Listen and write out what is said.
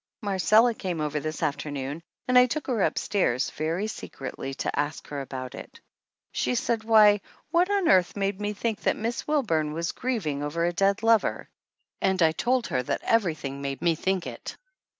Marcella came over this afternoon and I took her up stairs very secretly to ask her about it. She said why, what on earth made me think that Miss Wilburn was grieving over a dead lover, and I told her that everything made me think it.